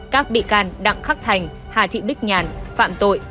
các bị can đặng khắc thành hà thị bích nhàn phạm tội